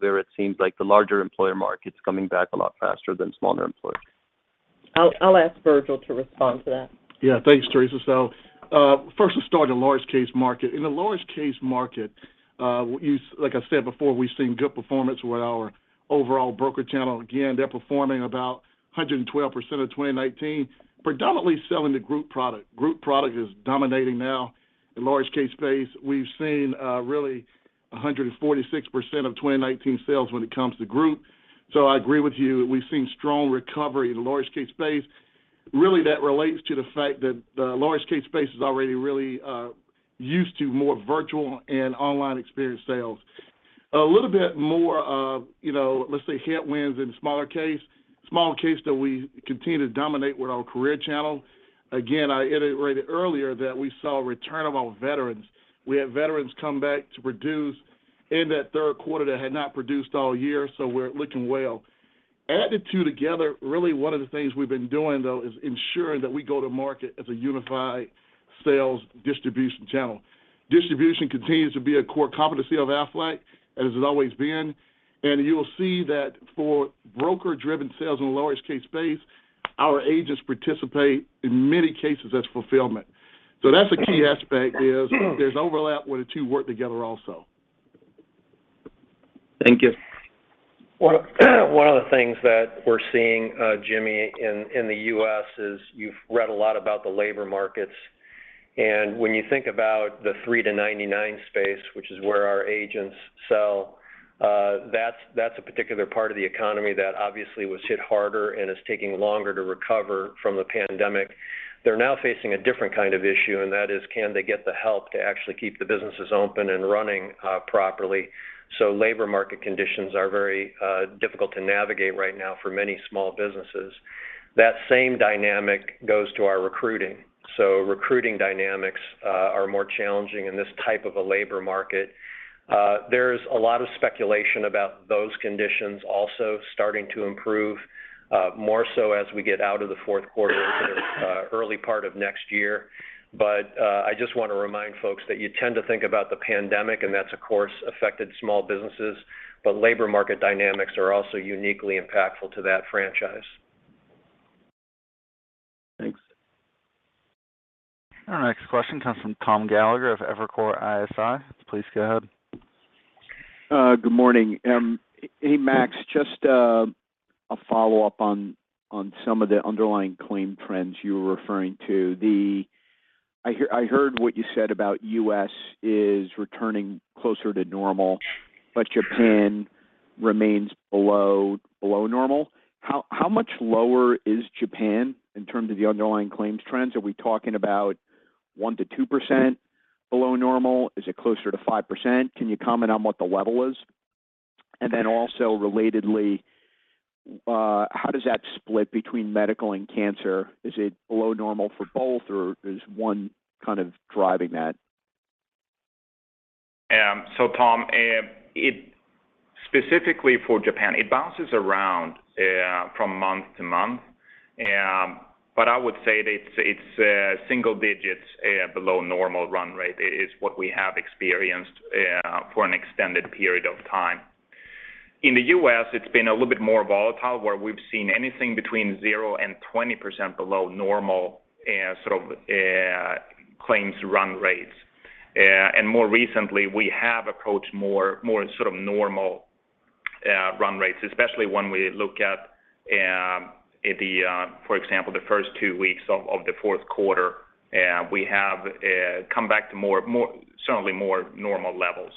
where it seems like the larger employer market's coming back a lot faster than smaller employers. I'll ask Virgil to respond to that. Yeah. Thanks, Teresa. First let's start in large case market. In the large case market, like I said before, we've seen good performance with our overall broker channel. Again, they're performing about 112% of 2019, predominantly selling the group product. Group product is dominating now in large case space. We've seen really 146% of 2019 sales when it comes to group. I agree with you. We've seen strong recovery in the large case space. Really that relates to the fact that the large case space is already really used to more virtual and online experience sales. A little bit more of, you know, let's say, headwinds in smaller case. Small case that we continue to dominate with our career channel. Again, I iterated earlier that we saw a return of our veterans. We had veterans come back to produce in that third quarter that had not produced all year, so we're looking well. Add the two together, really one of the things we've been doing, though, is ensuring that we go to market as a unified sales distribution channel. Distribution continues to be a core competency of Aflac, as it's always been. You'll see that for broker-driven sales in the large case space, our agents participate in many cases as fulfillment. That's a key aspect is there's overlap where the two work together also. Thank you. One of the things that we're seeing, Jimmy, in the U.S. is you've read a lot about the labor markets When you think about the three-99 space, which is where our agents sell, that's a particular part of the economy that obviously was hit harder and is taking longer to recover from the pandemic. They're now facing a different kind of issue, and that is can they get the help to actually keep the businesses open and running properly? Labor market conditions are very difficult to navigate right now for many small businesses. That same dynamic goes to our recruiting. Recruiting dynamics are more challenging in this type of a labor market. There's a lot of speculation about those conditions also starting to improve more so as we get out of the fourth quarter into the early part of next year. I just want to remind folks that you tend to think about the pandemic, and that's of course affected small businesses, but labor market dynamics are also uniquely impactful to that franchise. Thanks. Our next question comes from Tom Gallagher of Evercore ISI. Please go ahead. Good morning. Hey, Max, just a follow-up on some of the underlying claim trends you were referring to. I heard what you said about U.S. is returning closer to normal, but Japan remains below normal. How much lower is Japan in terms of the underlying claims trends? Are we talking about 1%-2% below normal? Is it closer to 5%? Can you comment on what the level is? Then also relatedly, how does that split between medical and cancer? Is it below normal for both or is one kind of driving that? Tom, specifically for Japan, it bounces around from month to month. I would say that it's single digits below normal run rate is what we have experienced for an extended period of time. In the U.S., it's been a little bit more volatile, where we've seen anything between 0% and 20% below normal sort of claims run rates. More recently, we have approached more sort of normal run rates, especially when we look at, for example, the first two weeks of the fourth quarter. We have come back to certainly more normal levels.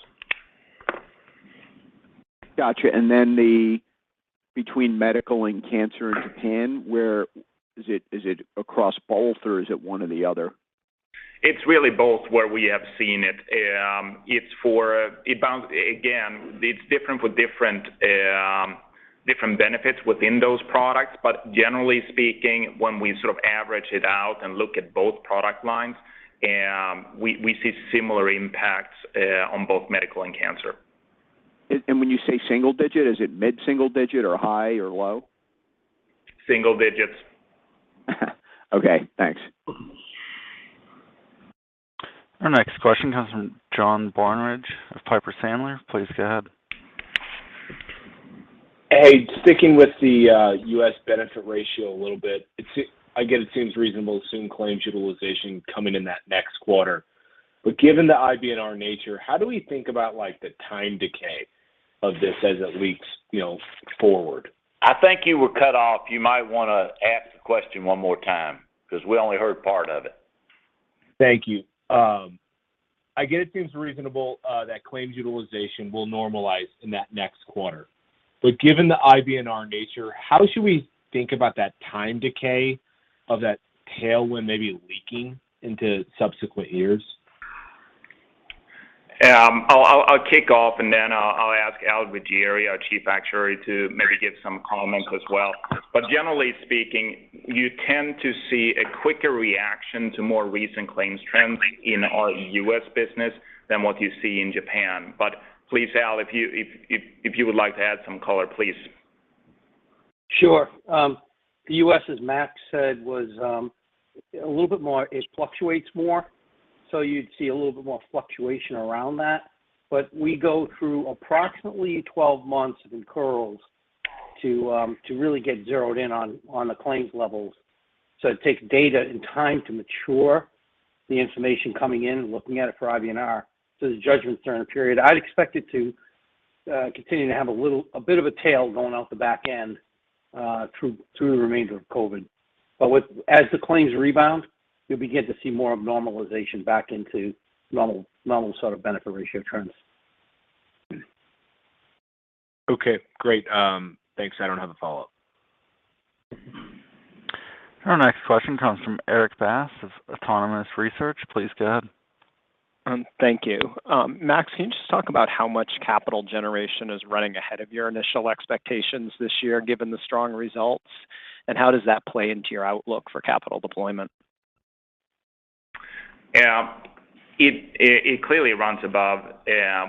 Gotcha. The breakdown between medical and cancer in Japan, where is it? Is it across both or is it one or the other? It's really both where we have seen it. Again, it's different for different benefits within those products. Generally speaking, when we sort of average it out and look at both product lines, we see similar impacts on both medical and cancer. When you say single digit, is it mid-single digit or high or low? Single digits. Okay, thanks. Our next question comes from John Barnidge of Piper Sandler. Please go ahead. Hey, sticking with the U.S. benefit ratio a little bit, I get, it seems reasonable to assume claims utilization coming in that next quarter. Given the IBNR nature, how do we think about like the time decay of this as it leaks, you know, forward? I think you were cut off. You might wanna ask the question one more time, 'cause we only heard part of it. Thank you. I get it seems reasonable that claims utilization will normalize in that next quarter. Given the IBNR nature, how should we think about that time decay of that tailwind maybe leaking into subsequent years? I'll kick off and then I'll ask Al Riggieri, our Chief Actuary, to maybe give some comments as well. Generally speaking, you tend to see a quicker reaction to more recent claims trends in our U.S. business than what you see in Japan. Please, Al, if you would like to add some color, please. Sure. The U.S., as Max said, was a little bit more. It fluctuates more, so you'd see a little bit more fluctuation around that. We go through approximately 12 months of incurred to really get zeroed in on the claims levels. It takes data and time to mature the information coming in and looking at it for IBNR. The judgments during the period, I'd expect it to continue to have a little, a bit of a tail going out the back end through the remainder of COVID. As the claims rebound, you'll begin to see more of normalization back into normal sort of benefit ratio trends. Okay, great. Thanks. I don't have a follow-up. Our next question comes from Erik Bass of Autonomous Research. Please go ahead. Thank you. Max, can you just talk about how much capital generation is running ahead of your initial expectations this year, given the strong results, and how does that play into your outlook for capital deployment? Yeah. It clearly runs above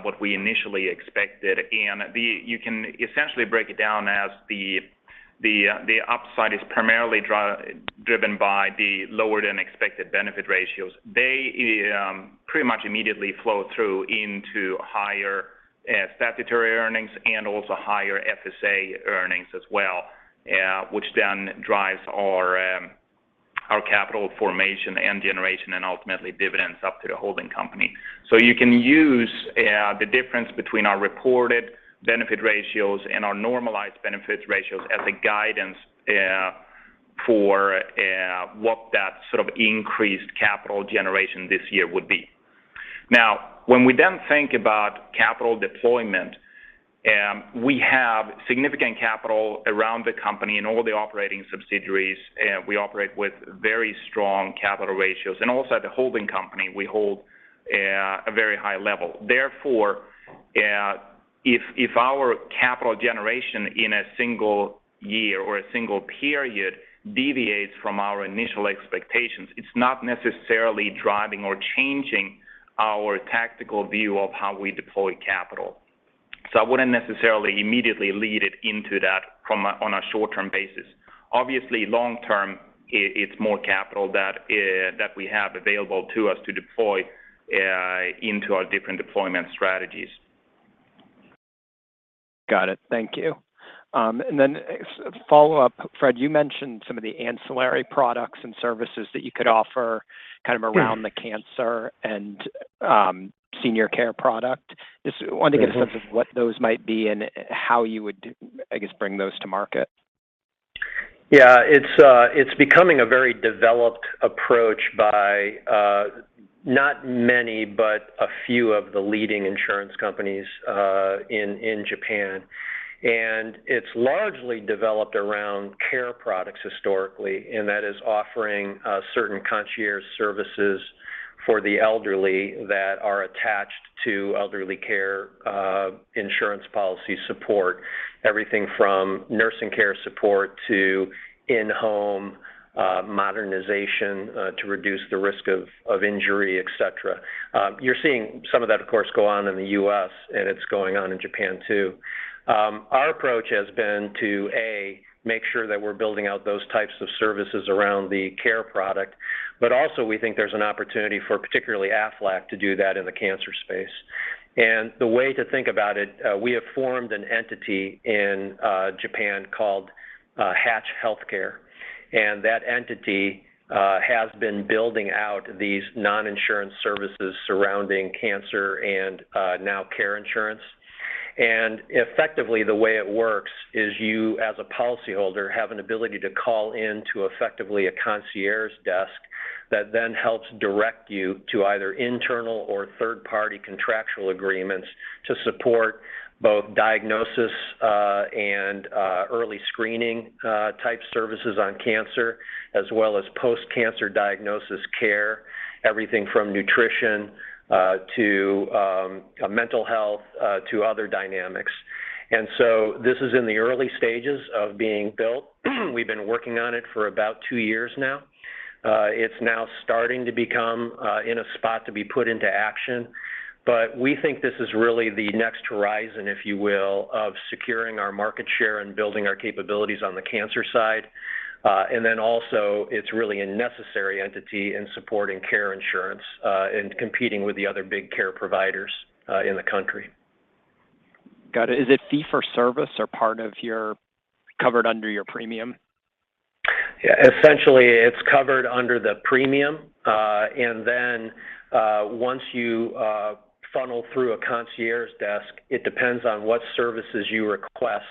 what we initially expected. You can essentially break it down as the upside is primarily driven by the lower-than-expected benefit ratios. They pretty much immediately flow through into higher statutory earnings and also higher FSA earnings as well, which then drives our capital formation and generation, and ultimately dividends up to the holding company. You can use the difference between our reported benefit ratios and our normalized benefit ratios as a guidance for what that sort of increased capital generation this year would be. Now, when we then think about capital deployment, we have significant capital around the company in all the operating subsidiaries, and we operate with very strong capital ratios. Also at the holding company, we hold a very high level. Therefore, if our capital generation in a single year or a single period deviates from our initial expectations, it's not necessarily driving or changing our tactical view of how we deploy capital. I wouldn't necessarily immediately lead it into that on a short-term basis. Obviously, long-term, it's more capital that we have available to us to deploy into our different deployment strategies. Got it. Thank you. As a follow-up, Fred, you mentioned some of the ancillary products and services that you could offer kind of around the cancer and senior care product. Just wanted to get a sense of what those might be and how you would, I guess, bring those to market. Yeah. It's becoming a very developed approach by not many, but a few of the leading insurance companies in Japan. It's largely developed around care products historically, and that is offering certain concierge services for the elderly that are attached to elderly care insurance policy support, everything from nursing care support to in-home modernization to reduce the risk of injury, et cetera. You're seeing some of that, of course, go on in the U.S., and it's going on in Japan too. Our approach has been to, A, make sure that we're building out those types of services around the care product, but also we think there's an opportunity for particularly Aflac to do that in the cancer space. The way to think about it, we have formed an entity in Japan called Hatch Healthcare, and that entity has been building out these non-insurance services surrounding cancer and medical insurance. Effectively, the way it works is you, as a policyholder, have an ability to call in to effectively a concierge desk that then helps direct you to either internal or third-party contractual agreements to support both diagnosis and early screening type services on cancer, as well as post-cancer diagnosis care, everything from nutrition to mental health to other dynamics. This is in the early stages of being built. We've been working on it for about two years now. It's now starting to become in a spot to be put into action. We think this is really the next horizon, if you will, of securing our market share and building our capabilities on the cancer side. Then also it's really a necessary entity in supporting care insurance, and competing with the other big care providers, in the country. Got it. Is it fee for service or part of your covered under your premium? Yeah. Essentially, it's covered under the premium. Once you funnel through a concierge desk, it depends on what services you request,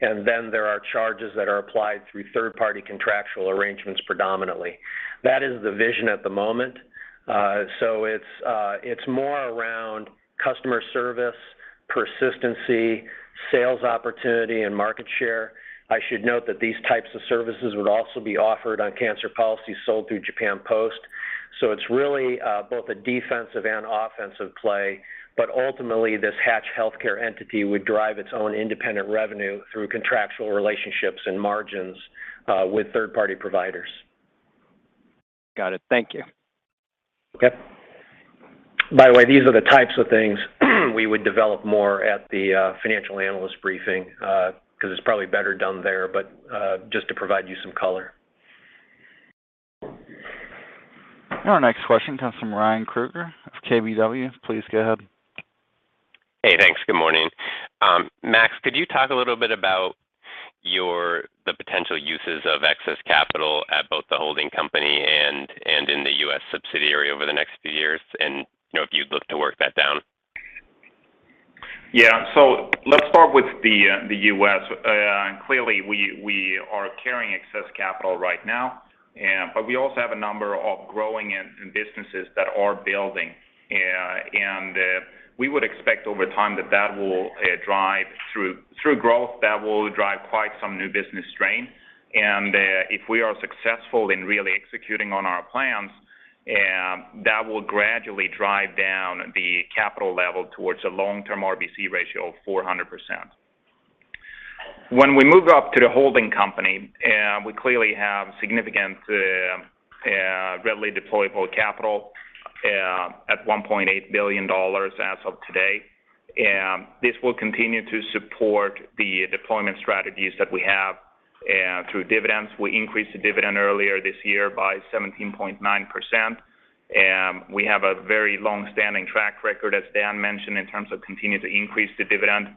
and then there are charges that are applied through third-party contractual arrangements predominantly. That is the vision at the moment. It's more around customer service, persistency, sales opportunity, and market share. I should note that these types of services would also be offered on cancer policies sold through Japan Post. It's really both a defensive and offensive play. Ultimately, this Hatch Healthcare entity would drive its own independent revenue through contractual relationships and margins with third-party providers. Got it. Thank you. Okay. By the way, these are the types of things we would develop more at the financial analyst briefing, 'cause it's probably better done there, but just to provide you some color. Our next question comes from Ryan Krueger of KBW. Please go ahead. Hey, thanks. Good morning, Max could you talk a little bit the potential uses of excess capital at both the holding company and the U.S. subsidiray over the over the next few years, and if you'd look to work that down? Yeah. Let's start with the U.S. Clearly, we are carrying excess capital right now, but we also have a number of growing businesses that are building. We would expect over time that will drive through growth that will drive quite some new business strain. If we are successful in really executing on our plans, that will gradually drive down the capital level towards a long-term RBC ratio of 400%. When we move up to the holding company, we clearly have significant, readily deployable capital at $1.8 billion as of today. This will continue to support the deployment strategies that we have through dividends. We increased the dividend earlier this year by 17.9%. We have a very long-standing track record, as Dan mentioned, in terms of continuing to increase the dividend.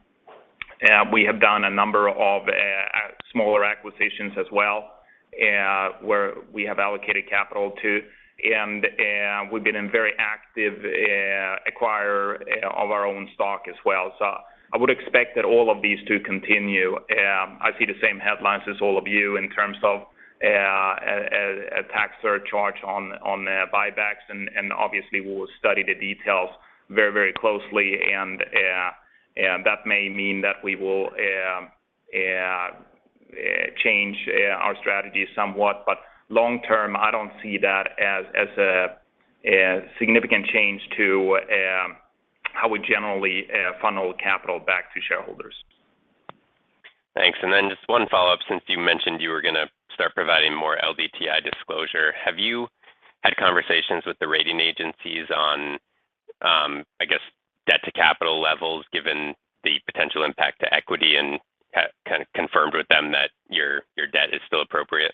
We have done a number of smaller acquisitions as well, where we have allocated capital to. We've been a very active acquirer of our own stock as well. I would expect that all of these to continue. I see the same headlines as all of you in terms of a tax surcharge on buybacks, and obviously we will study the details very, very closely and that may mean that we will change our strategy somewhat. Long term, I don't see that as a significant change to how we generally funnel capital back to shareholders. Thanks. Just one follow-up, since you mentioned you were gonna start providing more LDTI disclosure, have you had conversations with the rating agencies on, I guess, debt-to-capital levels given the potential impact to equity and kind of confirmed with them that your debt is still appropriate?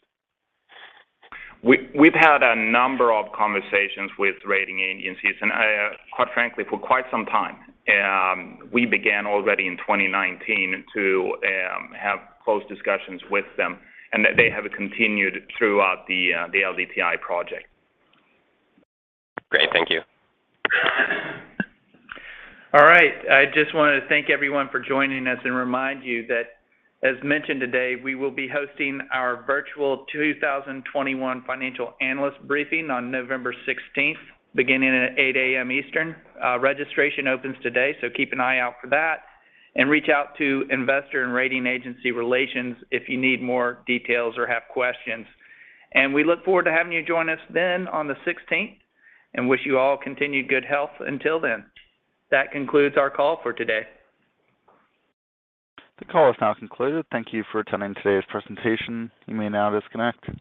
We've had a number of conversations with rating agencies, and quite frankly for quite some time. We began already in 2019 to have close discussions with them, and that they have continued throughout the LDTI project. Great. Thank you. All right. I just wanna thank everyone for joining us and remind you that, as mentioned today, we will be hosting our virtual 2021 financial analyst briefing on November sixteenth, beginning at 8 A.M. Eastern. Registration opens today, so keep an eye out for that. Reach out to Investor and Rating Agency Relations if you need more details or have questions. We look forward to having you join us then on the sixteenth and wish you all continued good health until then. That concludes our call for today. The call is now concluded. Thank you for attending today's presentation. You may now disconnect.